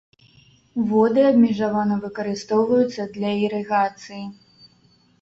Воды абмежавана выкарыстоўваюцца для ірыгацыі.